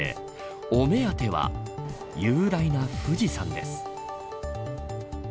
お目当ては、雄大な富士山です。